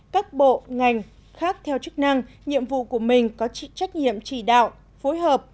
một mươi các bộ ngành khác theo chức năng nhiệm vụ của mình có trách nhiệm chỉ đạo phối hợp